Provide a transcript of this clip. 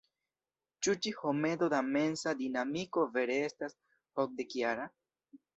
Ĉu ĉi homedo da mensa dinamiko vere estas okdekjara?